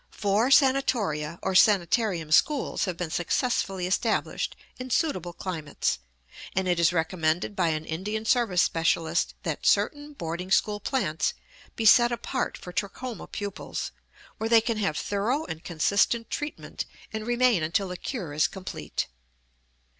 Four sanatoria or sanitarium schools have been successfully established in suitable climates, and it is recommended by an Indian Service specialist that certain boarding school plants be set apart for trachoma pupils, where they can have thorough and consistent treatment and remain until the cure is complete.